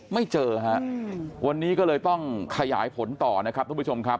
ไม่เจอวันนี้ก็เลยต้องขยายผลต่อท่านผู้ชมครับ